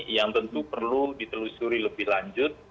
yang tentu perlu ditelusuri lebih lanjut